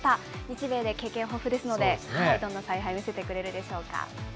日米で経験豊富ですので、どんな采配を見せてくれるでしょうか。